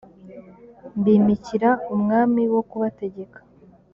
mbimikira umwami wo kubategeka